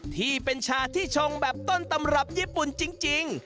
ที่เป็นชาที่ชงแบบต้นตำรับญี่ปุ่นจริง